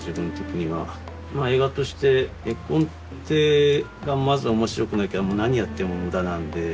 まあ映画として画コンテがまず面白くなきゃ何やっても無駄なんで。